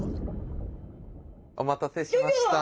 お待たせしました。